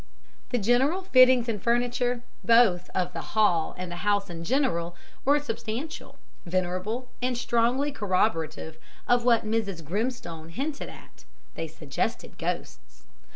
The general fittings and furniture, both of the hall and house in general, were substantial, venerable and strongly corroborative of what Mrs. Grimstone hinted at they suggested ghosts.